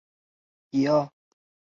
纳业湾遗址的历史年代为唐汪式。